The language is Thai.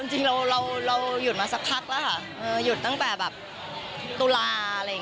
จริงเราหยุดมาสักพักแล้วค่ะหยุดตั้งแต่ตุลาค์